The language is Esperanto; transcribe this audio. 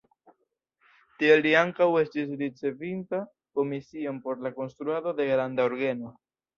Tie li ankaŭ estis ricevinta komision por la konstruado de granda orgeno.